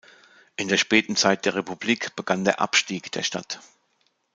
In der späten Zeit der Republik begann der Abstieg der Stadt.